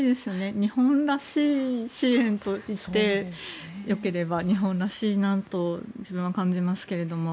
日本らしいし支援と言ってよければ日本らしいなと自分は感じますね。